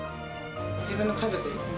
自分の家族ですね。